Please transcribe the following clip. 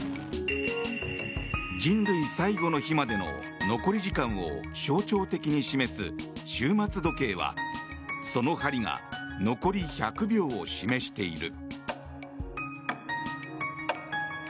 人類最後の日までの残り時間を象徴的に示す終末時計はその針が残り１００秒を示している。